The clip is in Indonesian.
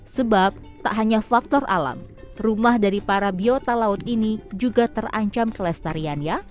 sebab tak hanya faktor alam rumah dari para biota laut ini juga terancam kelestariannya